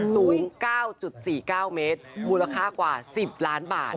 สูง๙๔๙เมตรมูลค่ากว่า๑๐ล้านบาท